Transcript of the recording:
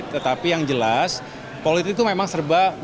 tetapi yang jelas kami ingin berbuka ruang komunikasi dan juga membangun kerjasama